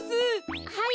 はい。